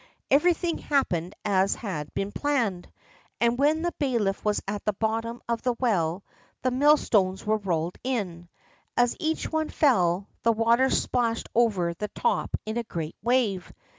Everything happened as had been planned, and when the bailiff was at the bottom of the well the millstones were rolled in. As each one fell, the water splashed over the top in a great wave.